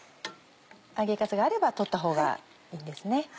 揚げかすがあれば取ったほうがいいんですね。